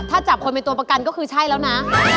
ถ้าจับคนเป็นตัวประกันก็คือใช่แล้วนะ